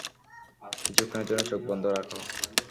কিছুক্ষণের জন্য চোখ বন্ধ রাখো।